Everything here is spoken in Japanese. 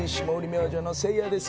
明星のせいやです。